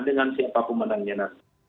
dengan siapa pemenangnya nanti